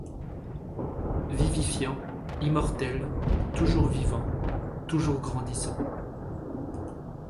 Vivifiants, immortels, toujours vivants, toujours grandissants.